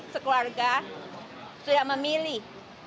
sekeluarga sudah memilih